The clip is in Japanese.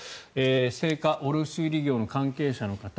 青果卸売業の関係者の方